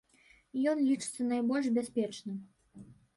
Ён лічыцца найбольш бяспечным.